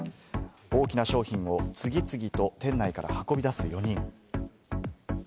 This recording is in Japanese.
大きな商品を次々と店内から運び出す４人。